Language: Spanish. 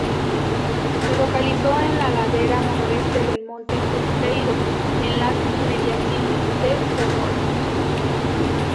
Se localizó en la ladera noroeste del monte Esteiro en las inmediaciones de Ferrol.